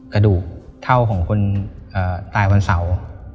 กระดูกเท่าของคนตายวันเสาร์